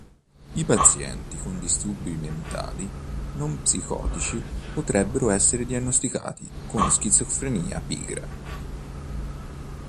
I pazienti con disturbi mentali non psicotici potrebbero essere diagnosticati con schizofrenia pigra.